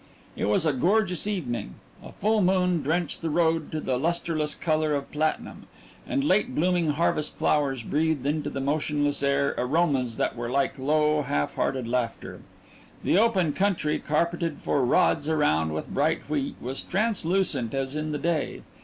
It was a gorgeous evening. A full moon drenched the road to the lustreless colour of platinum, and late blooming harvest flowers breathed into the motionless air aromas that were like low, half heard laughter. The open country, carpeted for rods around with bright wheat, was translucent as in the day.